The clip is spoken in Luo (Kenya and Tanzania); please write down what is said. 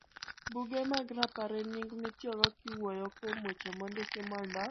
Buge mag Rapar en nying mitiyogo kiwuoyo kuom weche mondiki mondo